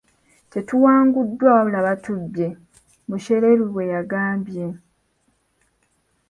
"Tetuwanguddwa wabula batubbye,” Mushereru bwe yagambye.